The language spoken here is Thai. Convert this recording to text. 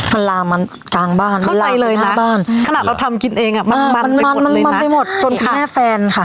มันลามมากลางบ้านนเลยนะในบ้านขนาดเราทำกินเองอ่ะมันมมมันไวฟมันไวฟหมดเลยนะจนในการทำให้แม่แฟนค่ะ